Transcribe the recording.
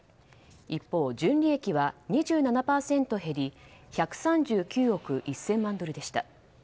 一方、純利益は２７％減り１３９億１０００万ドルでした。